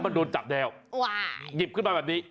หยุดจับแดวหยิบขึ้นมาแบบนี้